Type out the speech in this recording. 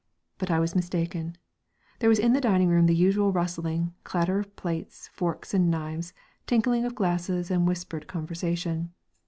But I was mistaken. There was in the dining room the usual rustling, clatter of plates, forks and knives, tinkling of glasses, and whispered conversation.